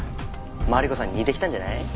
マリコさんに似てきたんじゃない？